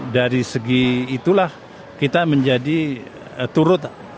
dari segi itulah kita menjadi turut